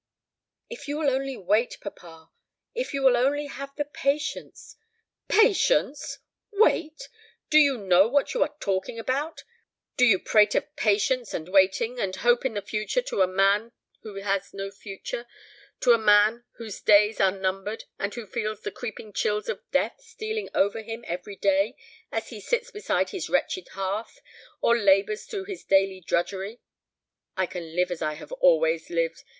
"If you will only wait, papa, if you will only have patience " "Patience! Wait! Do you know what you are talking about? Do you prate of patience, and waiting, and hope in the future to a man who has no future to a man whose days are numbered, and who feels the creeping chills of death stealing over him every day as he sits beside his wretched hearth, or labours through his daily drudgery? I can live as I have always lived!